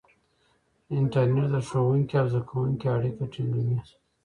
انټرنیټ د ښوونکي او زده کوونکي اړیکه ټینګوي.